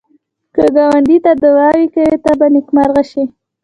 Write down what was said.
که ګاونډي ته دعایې کوې، ته به نېکمرغه شې